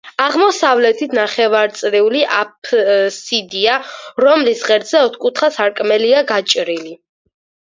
აღმოსავლეთით ნახევარწრიული აფსიდია, რომლის ღერძზე ოთხკუთხა სარკმელია გაჭრილი.